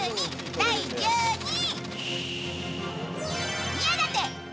第１２位。